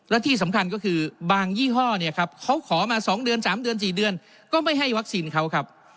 และที่สำคัญก็คือบางยี่ห้อเนี่ยครับเขาขอมา๒เดือน๓เดือน๔เดือนก็ไม่ให้วัคซีนเขาครับ